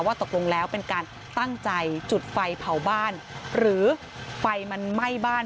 ตกลงแล้วเป็นการตั้งใจจุดไฟเผาบ้านหรือไฟมันไหม้บ้าน